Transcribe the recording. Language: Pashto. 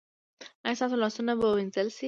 ایا ستاسو لاسونه به وینځل نه شي؟